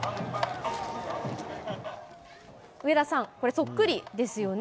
上田さん、これ、そっくりですよね。